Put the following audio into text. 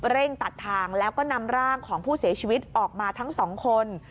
เร่งตัดทางแล้วก็นำร่างของผู้เสียชีวิตออกมาทั้งสองคน